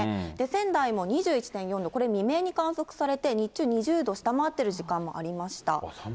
仙台も２１．４度、これ未明に観測されて、日中２０度下回っている時間帯もありました。